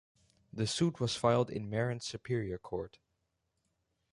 The suit was filed in Marin Superior Court.